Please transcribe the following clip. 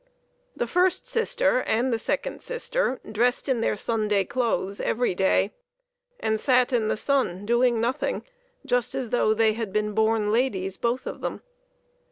The first sister and the second sister dressed in their Sunday clothes every day, and sat in the sun doing nothing, just as though they had been born ladies, both of them.